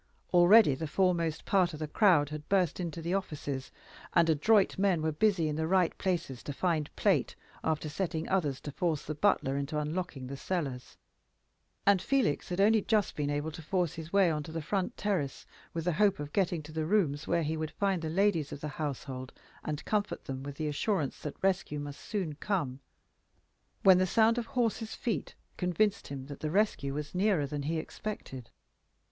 Already the foremost part of the crowd had burst into the offices, and adroit men were busy in the right places to find plate, after setting others to force the butler into unlocking the cellars; and Felix had only just been able to force his way on to the front terrace, with the hope of getting to the rooms where he would find the ladies of the household and comfort them with the assurance that rescue must soon come, when the sound of horses' feet convinced him that the rescue was nearer than he had expected.